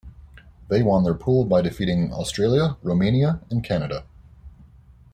They won their pool by defeating Australia, Romania, and Canada.